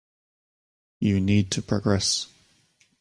You need to progress.